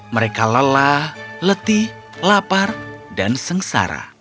mereka lelah letih lapar dan sengsara